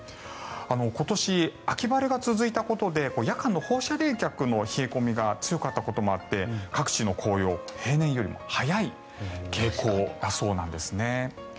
今年、秋晴れが続いたことで夜間の放射冷却の冷え込みが強かったこともあって各地の紅葉は平年よりも早い傾向だそうなんですね。